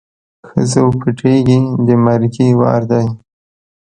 ښځو پټېږی د مرګي وار دی